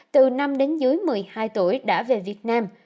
từ năm đến dưới một mươi hai tuổi đã về việt nam